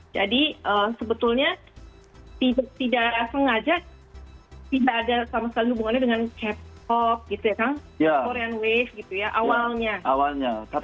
jadi sebetulnya tidak sengaja tidak ada sama sekali hubungannya dengan k pop gitu ya kan